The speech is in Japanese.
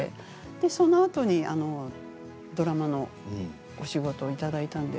そのあとにドラマのお仕事をいただいたんで。